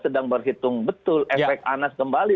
sedang berhitung betul efek anas kembali